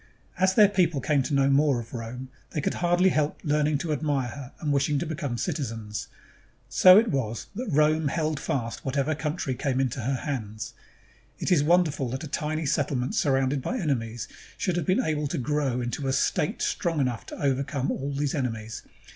As their people came to know more of Rome, they could hardly help learning to admire her and wishing to become citizens. So it was that Rome held fast whatever country came into her hands. It is wonderful that a tiny settlement surrounded by enemies should have been able to grow into a state strong enough to overcome all these enemies.